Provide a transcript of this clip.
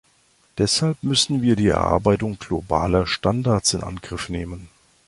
Deshalb müssen wir die Erarbeitung globaler Standards in Angriff nehmen.